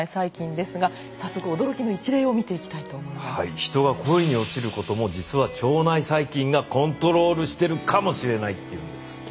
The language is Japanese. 人が恋に落ちることも実は腸内細菌がコントロールしてるかもしれないっていうんです。